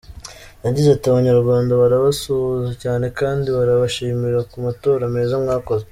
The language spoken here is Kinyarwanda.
Yagize ati “Abanyarwanda barabasuhuza cyane kandi barabashimira ku matora meza mwakoze.